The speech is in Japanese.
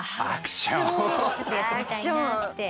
ちょっとやってみたいなって。